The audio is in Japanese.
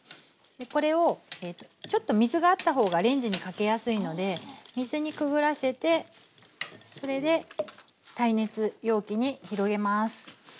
これをちょっと水があった方がレンジにかけやすいので水にくぐらせてそれで耐熱容器に広げます。